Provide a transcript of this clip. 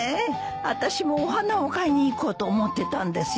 あたしもお花を買いに行こうと思ってたんですよ。